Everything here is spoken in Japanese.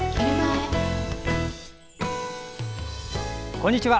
こんにちは。